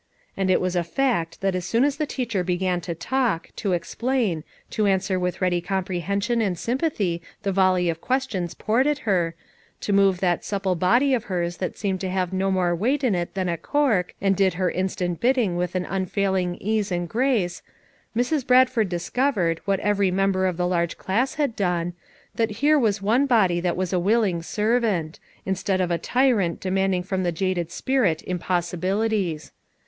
And it was a fact that as soon as the teacher began to talk, to explain, to answer with ready comprehension and sympathy the volley of ques tions poured at her, to move that supple body of hers that seemed to have no more weight in it than a cork, and did her instant bidding with an unfailing ease and grace, Mrs, Bradford discovered, what every member of the largo class had done, that here was one body that was a willing servant ; instead of a tyrant demanding from the jaded spirit impossibilities.